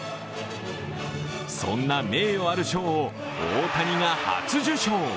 そんな名誉ある賞を大谷が初受賞。